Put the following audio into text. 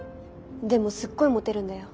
でもすっごいモテるんだよ。